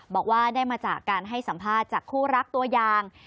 บอกว่าได้มาจากการให้สัมภาษณ์จากคู่รักตัวอย่าง